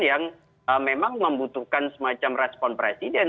yang memang membutuhkan semacam respon presiden